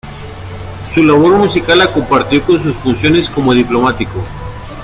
Su labor musical la compartió con sus funciones como diplomático.